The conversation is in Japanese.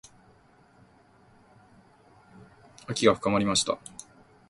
秋が深まりました。